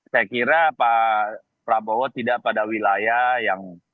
saya kira pak prabowo tidak pada wilayah yang